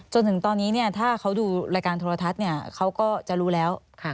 จนถึงตอนนี้ถ้าเขาดูรายการโทรทัศน์เขาก็จะรู้แล้ว